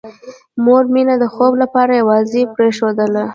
مور مينه د خوب لپاره یوازې پرېښودله